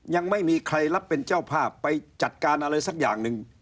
ยังไม่มีใครรับเป็นเจ้าภาพไปจัดการอะไรสักอย่างหนึ่ง